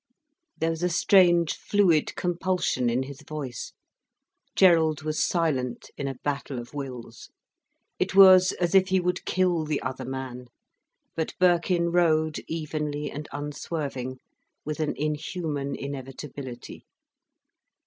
There was a strange fluid compulsion in his voice. Gerald was silent in a battle of wills. It was as if he would kill the other man. But Birkin rowed evenly and unswerving, with an inhuman inevitability.